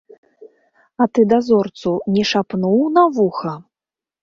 А ты дазорцу не шапнуў на вуха?